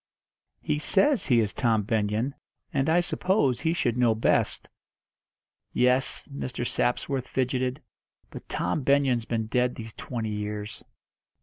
"He says he is Tom Benyon, and I suppose he should know best." "Yes." Mr. Sapsworth fidgeted. "But Tom Benyon's been dead these twenty years."